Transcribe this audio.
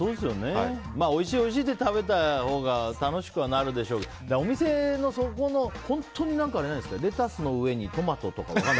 おいしい、おいしいって食べたほうが楽しくはなるでしょうけどそのお店の本当にあれなんですけどレタスの上にトマトとか。